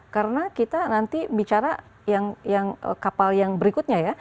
karena kita nanti bicara yang kapal yang berikutnya ya